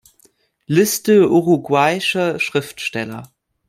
Liste uruguayischer Schriftsteller